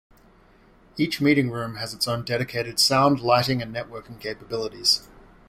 Each meeting room has its own dedicated sound, lighting and networking capabilities.